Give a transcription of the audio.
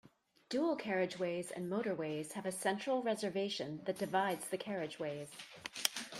Dual-carriageways and motorways have a central reservation that divides the carriageways